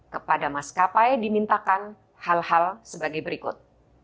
kepada mas kapai dimintakan hal hal sebagai berikut